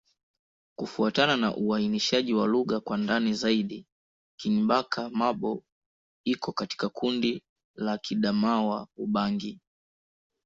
Kufuatana na uainishaji wa lugha kwa ndani zaidi, Kingbaka-Ma'bo iko katika kundi la Kiadamawa-Ubangi.